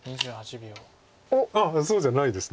あっそうじゃないです